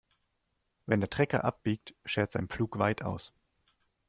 Wenn der Trecker abbiegt, schert sein Pflug weit aus.